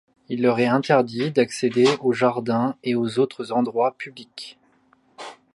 Il leur est interdit d'accéder aux jardins et aux autres endroits publics.